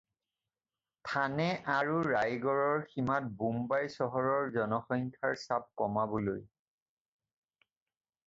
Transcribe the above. থানে আৰু ৰায়গড়ৰ সীমাত বোম্বাই চহৰৰ জনসংখ্যাৰ চাপ কমাবলৈ।